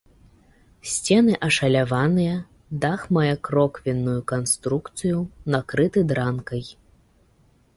Сцены ашаляваныя, дах мае кроквенную канструкцыю, накрыты дранкай.